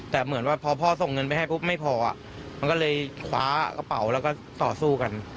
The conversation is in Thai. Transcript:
แต่เหมือนว่าพอพ่อส่งเงินไปให้ปุ๊บไม่พอมันก็เลยคว้ากระเป๋าแล้วก็ต่อสู้กัน